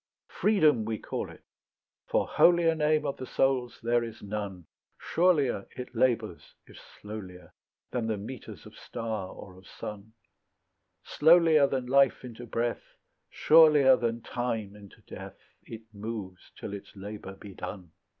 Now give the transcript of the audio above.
Freedom we call it, for holier Name of the soul's there is none; Surelier it labours if slowlier, Than the metres of star or of sun; Slowlier than life into breath, Surelier than time into death, It moves till its labour be done.